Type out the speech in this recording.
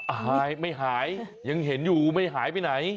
หายไม่หายยังเห็นอยู่ไม่หายไปไหน